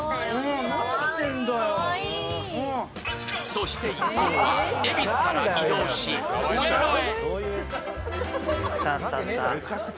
そして一行は恵比寿から移動し上野へ。